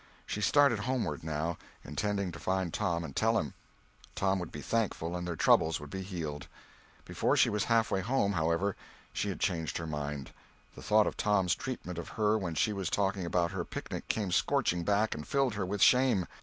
She started homeward, now, intending to find Tom and tell him; Tom would be thankful and their troubles would be healed. Before she was half way home, however, she had changed her mind. The thought of Tom's treatment of her when she was talking about her picnic came scorching back and filled her with shame.